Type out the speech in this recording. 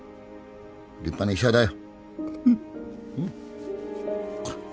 立派な医者だよ。